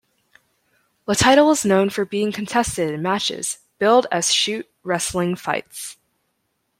The title was known for being contested in matches billed as shoot wrestling fights.